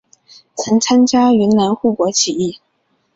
曾参加云南护国起义。